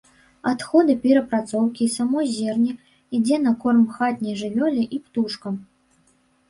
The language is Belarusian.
Адходы перапрацоўкі і само зерне ідзе на корм хатняй жывёле і птушкам.